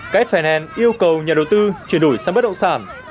ks finance yêu cầu nhà đầu tư chuyển đổi sang bất động sản